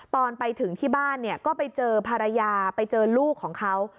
ตอนไปถึงที่บ้านเนี่ยก็ไปเจอภรรยาไปเจอลูกของเขา